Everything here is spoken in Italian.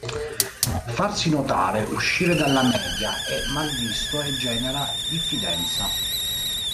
Farsi notare, uscire dalla media è mal visto e genera diffidenza.